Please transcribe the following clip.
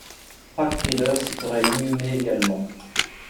Pargfrieder s'y fera inhumer également.